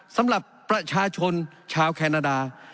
สำหรับประชาชนชาวแคนาดา